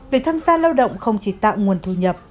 việc thăm xa lao động không chỉ tạo nguồn thu nhập